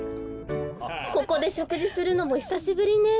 ここでしょくじするのもひさしぶりねえ。